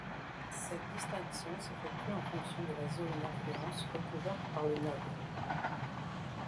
Cette distinction s'effectue en fonction de la zone d'influence recouverte par le noble.